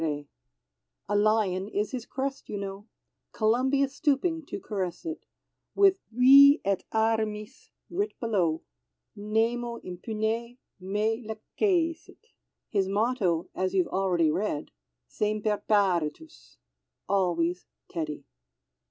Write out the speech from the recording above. A lion is his crest, you know, Columbia stooping to caress it, With vi et armis writ below, Nemo impune me lacessit; His motto, as you've read already, Semper paratus always Teddy!